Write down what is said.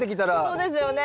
そうですよね。